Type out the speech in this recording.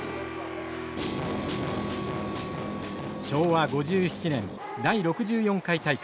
昭和５７年第６４回大会。